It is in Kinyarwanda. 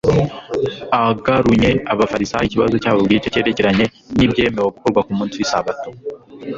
Agarunye abafarisayo ikibazo cyabo bwite cyerekeranye n'ibyemewe gukorwa ku munsi w'Isabato